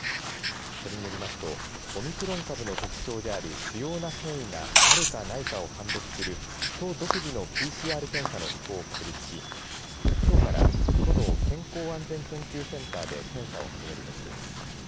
それによりますとオミクロン株の特徴である主要な変異があるかないかを判別する都独自のＰＣＲ検査の手法を確立しきょうから都の健康安全研究センターで検査を始めるとしています。